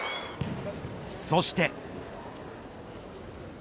そして。